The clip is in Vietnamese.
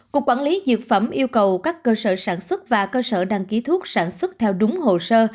cục quản lý dược phẩm yêu cầu các cơ sở sản xuất và cơ sở đăng ký thuốc sản xuất theo đúng hồ sơ